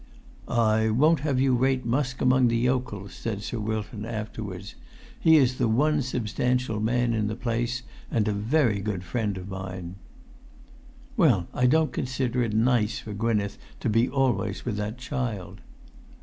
"I won't have you rate Musk among the yokels," said Sir Wilton afterwards. "He is the one substantial man in the place, and a very good friend of mine." "Well, I don't consider it nice for Gwynneth to be always with that child."